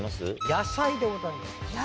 野菜でございます。